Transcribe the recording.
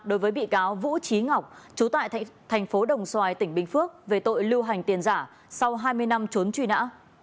đối với bị cáo vũ trí ngọc chú tại thành phố đồng xoài tỉnh bình phước về tội lưu hành tiền giả sau hai mươi năm trốn truy nã